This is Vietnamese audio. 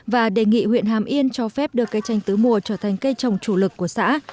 và đề nghị huyện hàm yên cho phép đưa cây chanh tứ mùa trở thành cây trồng chủ lực của xã